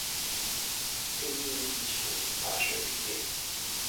庆应义塾大学毕业。